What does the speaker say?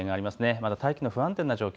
まだ大気の不安定な状況